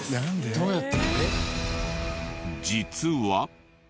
どうやって？